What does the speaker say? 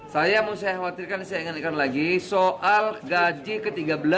saya mau saya khawatirkan saya ingatkan lagi soal gaji ke tiga belas